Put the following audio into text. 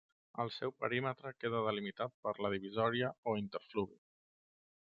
El seu perímetre queda delimitat per la divisòria o interfluvi.